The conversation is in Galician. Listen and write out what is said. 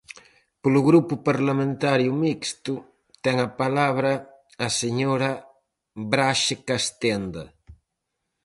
Polo Grupo Parlamentario Mixto, ten a palabra a señora Braxe Castenda.